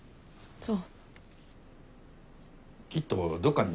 そう。